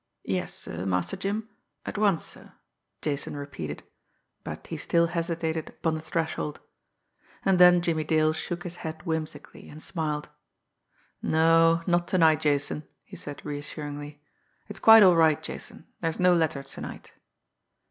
"Yes, sir, Master Jim, at once, sir," Jason repeated but he still hesitated upon the threshold. And then Jimmie Dale shook his head whimsically and smiled. "No not to night, Jason," he said reassuringly. "It's quite all right, Jason there's no letter to night."